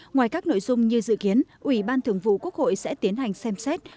ngoài các nội dung như dự kiến ủy ban thường vụ quốc hội sẽ tiến hành xem xét